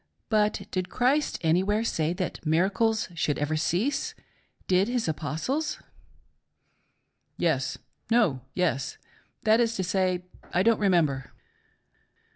But did Christ anywhere say that miracles should ever cease ? Did His Apostles } L. P. : Yes :— No — Yes, — that is to say, I don't remember.